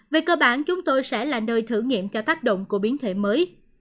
về cơ bản chúng tôi sẽ là nơi thử nghiệm cho tác động của biến thể mới